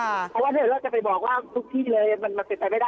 เพราะว่าทางนี้จะไปบอกว่ามันทุกทีเลยเป็นตัวไม่ได้